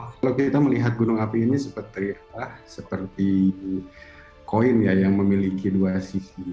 kalau kita melihat gunung api ini seperti koin yang memiliki dua sisi